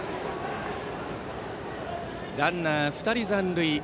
ランナー２人残塁。